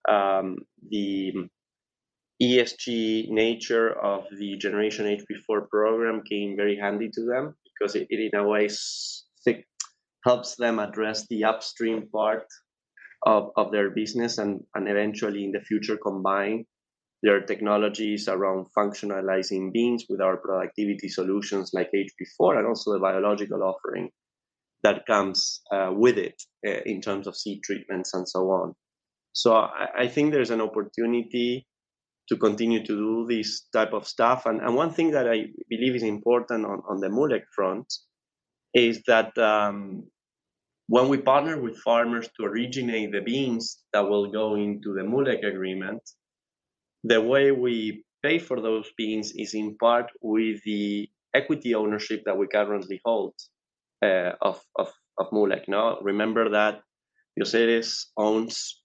the ESG nature of the Generation HB4 program came very handy to them, because it in a way think helps them address the upstream part of their business, and eventually in the future, combine their technologies around functionalizing beans with our productivity solutions like HB4, and also the biological offering that comes with it in terms of seed treatments and so on. So I think there's an opportunity to continue to do this type of stuff. And one thing that I believe is important on the Moolec front is that, when we partner with farmers to originate the beans that will go into the Moolec agreement, the way we pay for those beans is in part with the equity ownership that we currently hold of Moolec. Now, remember that Bioceres owns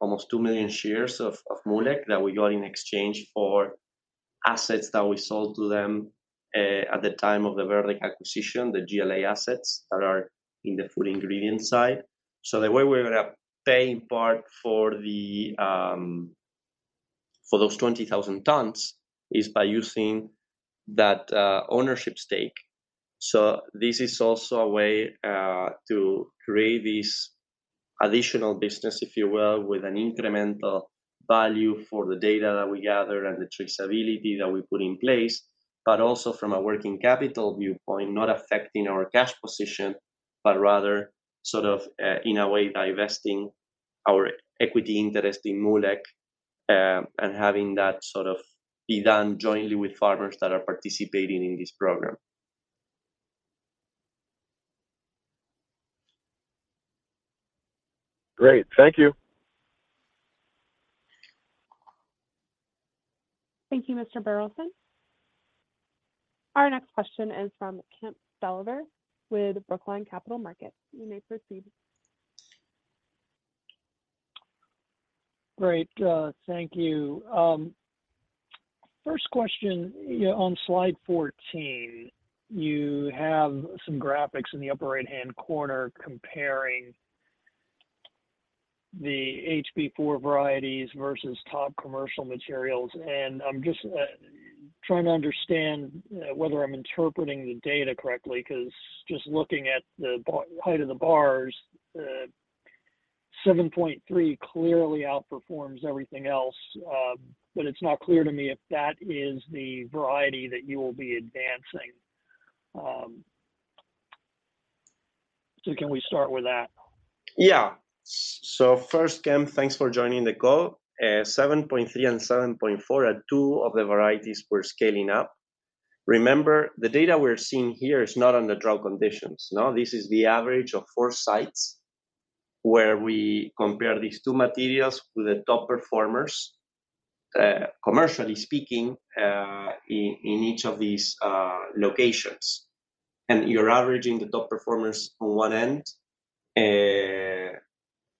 almost 2 million shares of Moolec that we got in exchange for assets that we sold to them at the time of the verdict acquisition, the GLA assets that are in the food ingredient side. So the way we're gonna pay in part for those 20,000 tons is by using that ownership stake. So this is also a way to create this additional business, if you will, with an incremental value for the data that we gather and the traceability that we put in place. But also from a working capital viewpoint, not affecting our cash position, but rather, sort of, in a way, divesting our equity interest in Moolec, and having that sort of be done jointly with farmers that are participating in this program. Great, thank you. Thank you, Mr. Burleson. Our next question is from Kemp Dolliver with Brookline Capital Markets. You may proceed. Great, thank you. First question, yeah, on slide 14, you have some graphics in the upper right-hand corner comparing the HB4 varieties versus top commercial materials. And I'm just trying to understand whether I'm interpreting the data correctly, 'cause just looking at the height of the bars, 7.3 clearly outperforms everything else. But it's not clear to me if that is the variety that you will be advancing. So can we start with that? Yeah. So first, Kemp, thanks for joining the call. 7.3 and 7.4 are two of the varieties we're scaling up. Remember, the data we're seeing here is not under drought conditions. No, this is the average of four sites where we compare these two materials with the top performers, commercially speaking, in each of these locations. And you're averaging the top performers on one end,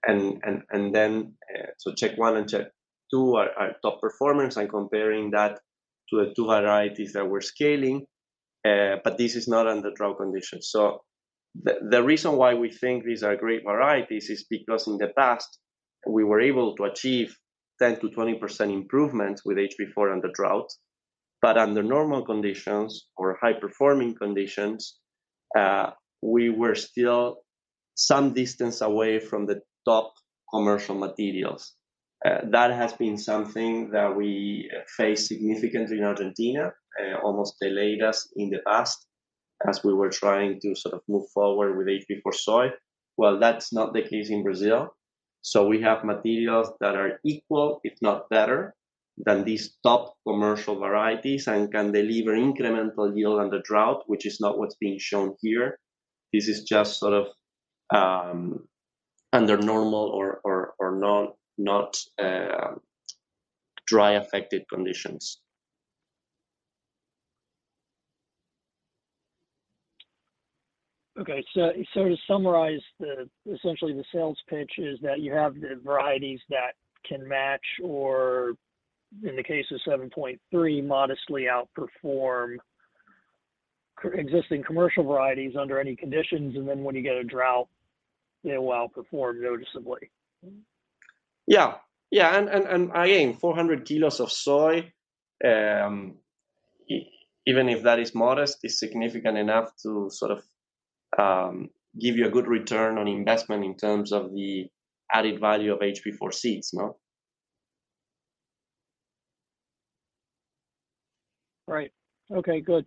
and then, so check one and check two are top performers, and comparing that to the two varieties that we're scaling, but this is not under drought conditions. So the reason why we think these are great varieties is because in the past, we were able to achieve 10%-20% improvements with HB4 under drought. But under normal conditions or high-performing conditions, we were still some distance away from the top commercial materials. That has been something that we face significantly in Argentina, almost delayed us in the past as we were trying to sort of move forward with HB4 soy. Well, that's not the case in Brazil. So we have materials that are equal, if not better, than these top commercial varieties, and can deliver incremental yield under drought, which is not what's being shown here. This is just sort of under normal or not dry-affected conditions. Okay. So to summarize. Essentially, the sales pitch is that you have the varieties that can match, or in the case of 7.3, modestly outperform existing commercial varieties under any conditions, and then when you get a drought, they will outperform noticeably. Yeah. Yeah, and I aim 400 kilos of soy. Even if that is modest, it's significant enough to sort of give you a good return on investment in terms of the added value of HB4 seeds, no? Right. Okay, good.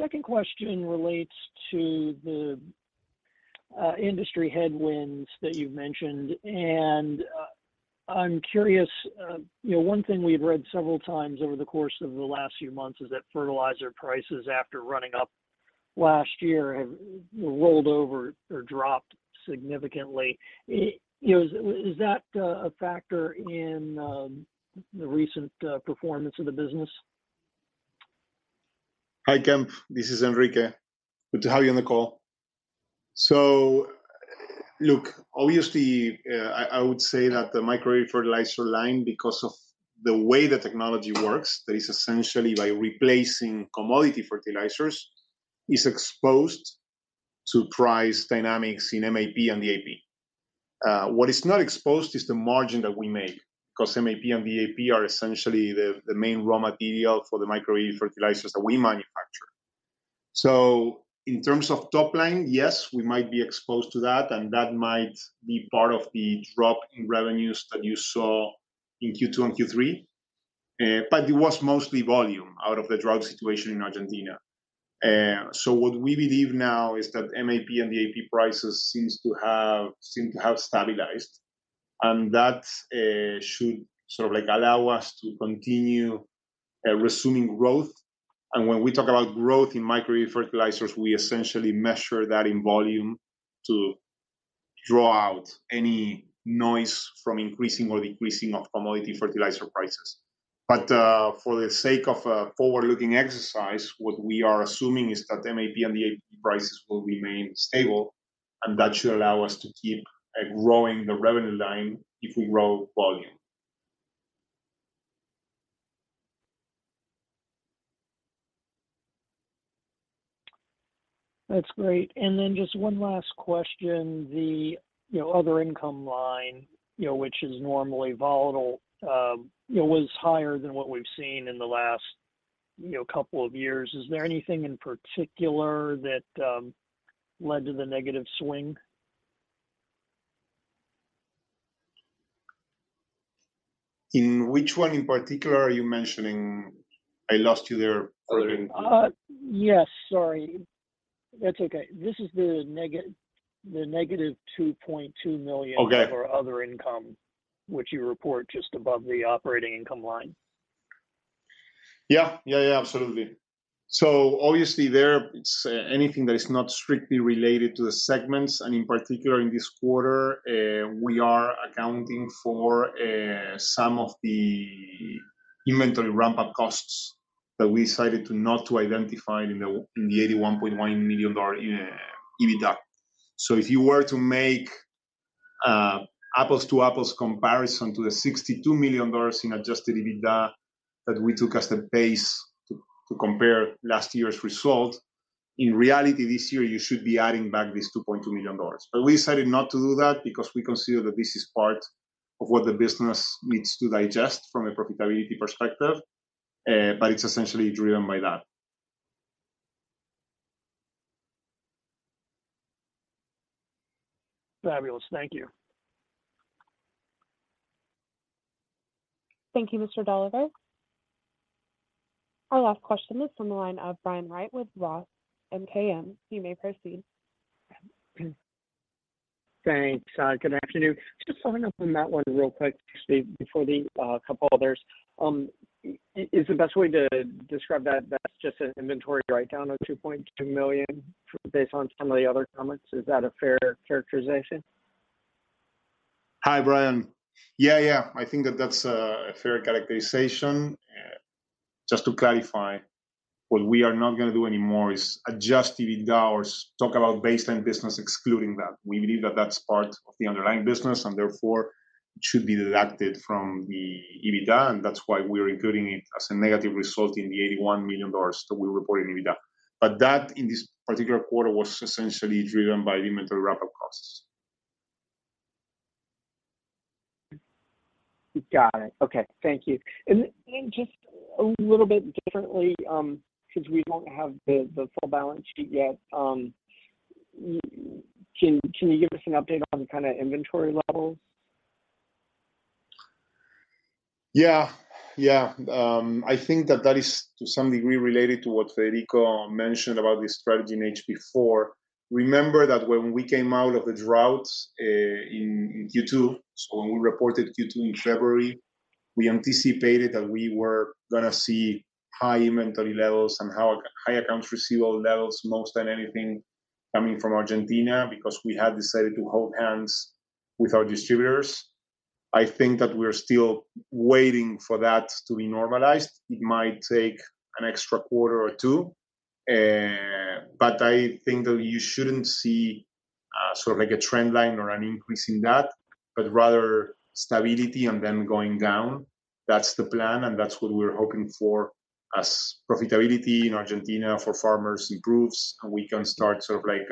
Second question relates to the industry headwinds that you've mentioned. I'm curious, you know, one thing we've read several times over the course of the last few months is that fertilizer prices, after running up last year, have rolled over or dropped significantly. You know, is that a factor in the recent performance of the business? Hi, Kemp, this is Enrique. Good to have you on the call. So, look, obviously, I would say that the micro fertilizer line, because of the way the technology works, that is essentially by replacing commodity fertilizers, is exposed to price dynamics in MAP and DAP. What is not exposed is the margin that we make, 'cause MAP and DAP are essentially the main raw material for the micro fertilizers that we manufacture. So in terms of top line, yes, we might be exposed to that, and that might be part of the drop in revenues that you saw in Q2 and Q3. But it was mostly volume out of the drought situation in Argentina. And so what we believe now is that MAP and DAP prices seem to have stabilized, and that should sort of, like, allow us to continue resuming growth. And when we talk about growth in micro fertilizers, we essentially measure that in volume to draw out any noise from increasing or decreasing of commodity fertilizer prices. But, for the sake of a forward-looking exercise, what we are assuming is that MAP and DAP prices will remain stable, and that should allow us to keep growing the revenue line if we grow volume. That's great. And then just one last question, the, you know, other income line, you know, which is normally volatile, it was higher than what we've seen in the last, you know, couple of years. Is there anything in particular that led to the negative swing? In which one in particular are you mentioning? I lost you there. Yes, sorry. That's okay. This is the negative $2.2 million- Okay For other income, which you report just above the operating income line. Yeah. Yeah, yeah, absolutely. So obviously there, it's, anything that is not strictly related to the segments, and in particular, in this quarter, we are accounting for, some of the inventory ramp-up costs that we decided not to identify in the $81.1 million EBITDA. So if you were to make, apples-to-apples comparison to the $62 million in Adjusted EBITDA, that we took as the base to compare last year's result, in reality, this year, you should be adding back these $2.2 million. But we decided not to do that because we consider that this is part of what the business needs to digest from a profitability perspective, but it's essentially driven by that. Fabulous. Thank you. Thank you, Mr. Dolliver. Our last question is from the line of Brian Wright with ROTH MKM. You may proceed. Thanks. Good afternoon. Just following up on that one real quick, actually, before the couple others. Is the best way to describe that? That's just an inventory breakdown of $2.2 million, based on some of the other comments. Is that a fair characterization? Hi, Brian. Yeah, yeah, I think that's a fair characterization. Just to clarify, what we are not gonna do anymore is adjust EBITDA or talk about baseline business excluding that. We believe that that's part of the underlying business, and therefore should be deducted from the EBITDA, and that's why we're including it as a negative result in the $81 million that we report in EBITDA. But that, in this particular quarter, was essentially driven by inventory ramp-up costs. Got it. Okay, thank you. And just a little bit differently, since we don't have the full balance sheet yet, can you give us an update on the kind of inventory levels? Yeah, yeah. I think that that is to some degree related to what Federico mentioned about the strategy in HB4. Remember that when we came out of the droughts in Q2, so when we reported Q2 in February, we anticipated that we were gonna see high inventory levels and high accounts receivable levels, more than anything, coming from Argentina, because we had decided to hold hands with our distributors. I think that we're still waiting for that to be normalized. It might take an extra quarter or two, but I think that you shouldn't see sort of like a trend line or an increase in that, but rather stability and then going down. That's the plan, and that's what we're hoping for, as profitability in Argentina for farmers improves, and we can start sort of like,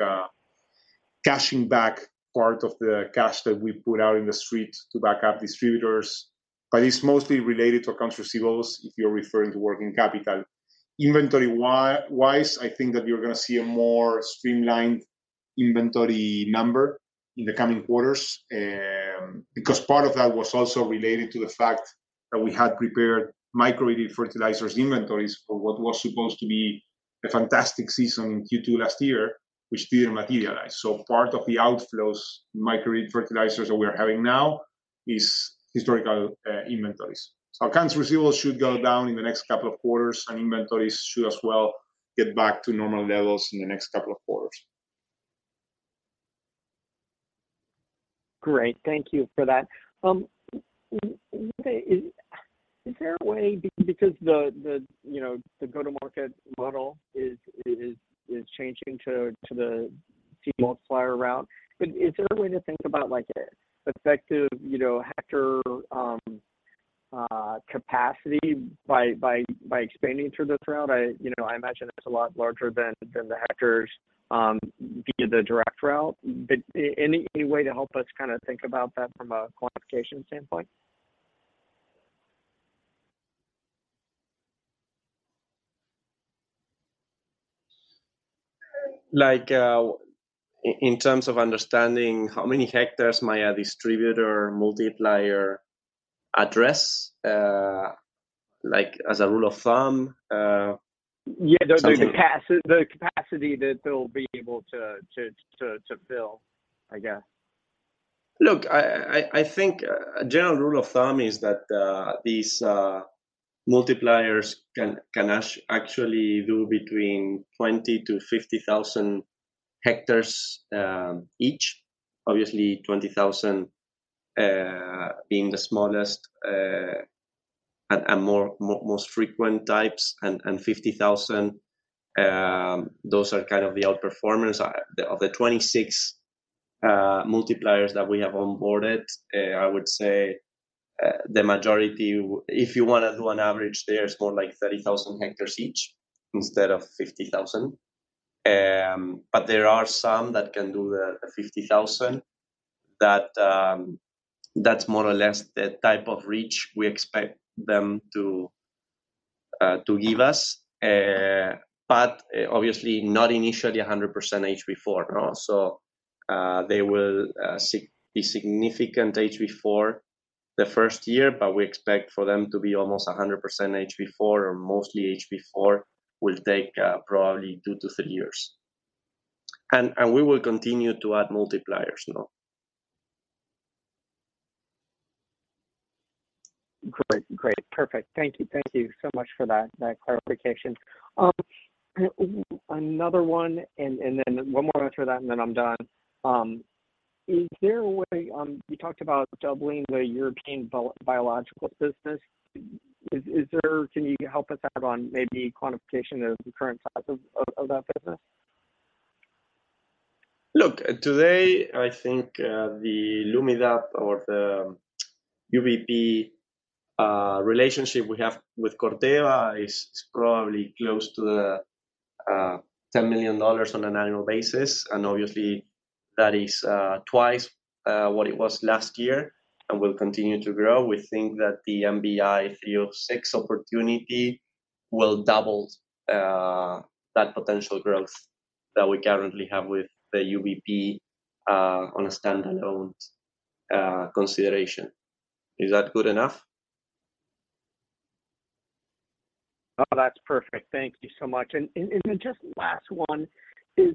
cashing back part of the cash that we put out in the street to back up distributors. But it's mostly related to accounts receivables, if you're referring to working capital. Inventory-wise, I think that you're gonna see a more streamlined inventory number in the coming quarters, because part of that was also related to the fact that we had prepared micro fertilizer inventories for what was supposed to be a fantastic season in Q2 last year, which didn't materialize. So part of the outflows, micro fertilizers that we're having now is historical, inventories. So accounts receivables should go down in the next couple of quarters, and inventories should as well get back to normal levels in the next couple of quarters. Great. Thank you for that. Is there a way, because the, you know, the go-to-market model is changing to the multiplier route, is there a way to think about, like, a effective, you know, hectare capacity by expanding through this route? You know, I imagine it's a lot larger than the hectares via the direct route. But any way to help us kind of think about that from a quantification standpoint? Like, in terms of understanding how many hectares might a distributor multiplier address, like as a rule of thumb? Yeah, the capacity that they'll be able to fill, I guess. Look, I think a general rule of thumb is that these multipliers can actually do between 20,000-50,000 hectares each. Obviously, 20,000 being the smallest and more, most frequent types, and 50,000 those are kind of the outperformers. Of the 26 multipliers that we have onboarded, I would say the majority, if you wanna do an average there, it's more like 30,000 hectares each instead of 50,000. But there are some that can do the 50,000, that's more or less the type of reach we expect them to give us. But obviously, not initially 100% HB4, no? So, they will be significant HB4 the first year, but we expect for them to be almost 100% HB4, or mostly HB4, will take probably two to three years. And we will continue to add multipliers, no? Great. Great. Perfect. Thank you. Thank you so much for that clarification. Another one, and then one more after that, and then I'm done. Is there a way... You talked about doubling the European biological business. Is there, can you help us out on maybe quantification of the current size of that business? Look, today, I think, the Lumidapt or the UBP relationship we have with Corteva is probably close to $10 million on an annual basis, and obviously, that is twice what it was last year and will continue to grow. We think that the MBI-306 opportunity will double that potential growth that we currently have with the UBP on a standalone consideration. Is that good enough? Oh, that's perfect. Thank you so much. And just last one is,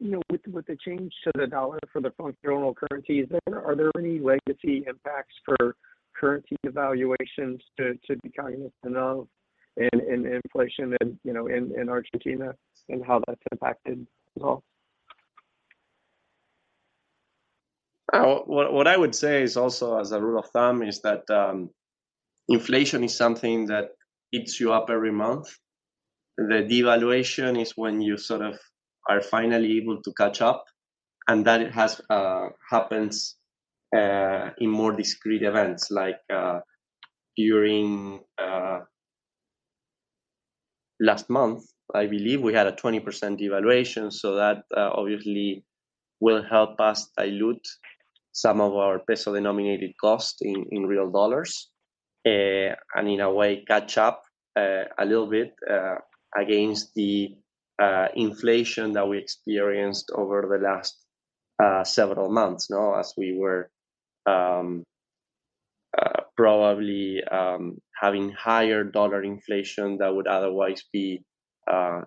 you know, with the change to the dollar for the functional currencies, are there any legacy impacts for currency evaluations to be cognizant of in inflation and, you know, in Argentina, and how that's impacted at all? What I would say is also, as a rule of thumb, that inflation is something that eats you up every month. The devaluation is when you sort of are finally able to catch up, and that it happens in more discrete events. Like, during last month, I believe we had a 20% devaluation, so that obviously will help us dilute some of our peso-denominated cost in real dollars, and in a way, catch up a little bit against the inflation that we experienced over the last several months, you know, as we were probably having higher dollar inflation that would otherwise be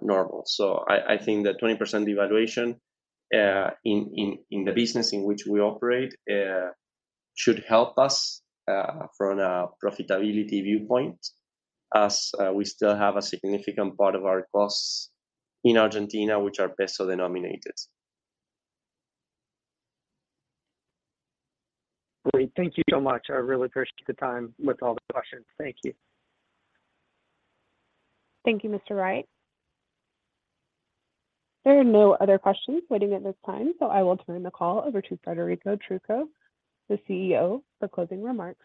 normal. So, I think the 20% devaluation in the business in which we operate should help us from a profitability viewpoint, as we still have a significant part of our costs in Argentina, which are peso-denominated. Great. Thank you so much. I really appreciate the time with all the questions. Thank you. Thank you, Mr. Wright. There are no other questions waiting at this time, so I will turn the call over to Federico Trucco, the CEO, for closing remarks.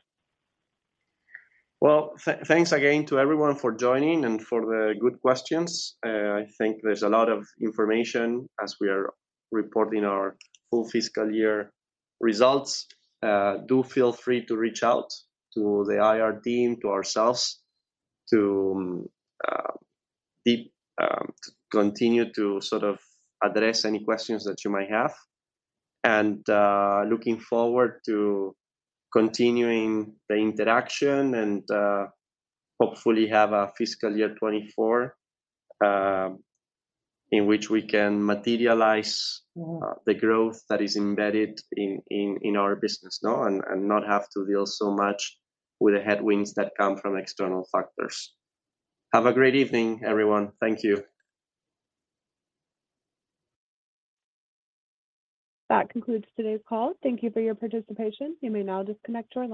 Well, thanks again to everyone for joining and for the good questions. I think there's a lot of information as we are reporting our full fiscal year results. Do feel free to reach out to the IR team, to ourselves, to continue to sort of address any questions that you might have. And, looking forward to continuing the interaction and, hopefully have a fiscal year 2024, in which we can materialize the growth that is embedded in our business, and not have to deal so much with the headwinds that come from external factors. Have a great evening, everyone. Thank you. That concludes today's call. Thank you for your participation. You may now disconnect your line.